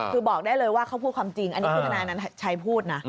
คือบอกได้เลยว่าเขาพูดความจริงอันนี้คือทนายนันชัยพูดนะ